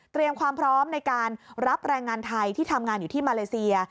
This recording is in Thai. ความพร้อมในการรับแรงงานไทยที่ทำงานอยู่ที่มาเลเซีย